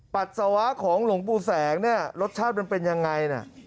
ปัสสาวะของหลวงปู่แสงเนี่ยรสชาติมันเป็นยังไงเนี่ย